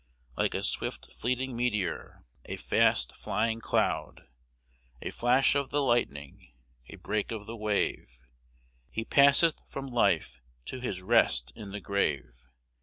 Like a swift fleeting meteor, a fast flying cloud, A flash of the lightning, a break of the wave, He passeth from life to his rest in the grave.